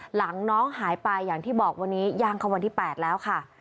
หลังน้องหายไปอย่างที่บอกวันนี้ย่างเข้าวันที่๘แล้วค่ะ